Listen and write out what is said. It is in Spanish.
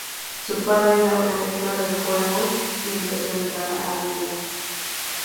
Su padre era un adicto de juego y empezó a entrar en deuda.